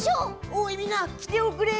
おいみんなきておくれ！